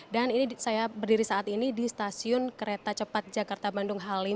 dan ini saya berdiri saat ini di stasiun kereta cepat jakarta bandung halim